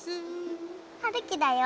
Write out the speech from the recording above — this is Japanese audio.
はるきだよ。